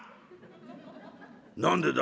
「何でだ？」。